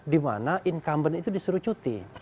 di mana incumbent itu disuruh cuti